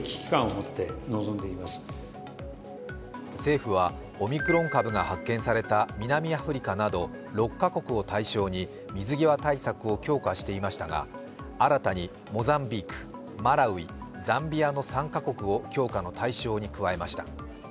政府はオミクロン株が発見された南アフリカなど６カ国を対象に水際対策を強化していましたが、新たに、モザンビーク、マラウイザンビアの３カ国を強化の対象に加えました。